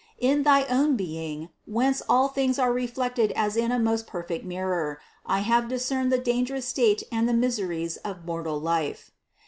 In thy own Being, whence all things are reflected as in a most perfect mirror, I have discerned the dangerous state and the miseries of mortal life.